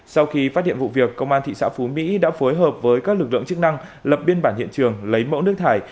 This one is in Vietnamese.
sau khi phát hiện vụ việc công an thị xã phú mỹ đã phối hợp với các lực lượng chức năng lập biên bản hiện trường lấy mẫu nước thải